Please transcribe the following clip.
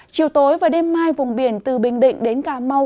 chiều tối và đêm mai vùng biển từ bình định đến cà mau